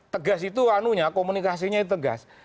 tegas itu anunya komunikasinya itu tegas